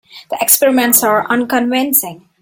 The experiments are unconvincing.